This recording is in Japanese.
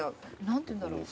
何て言うんだろう？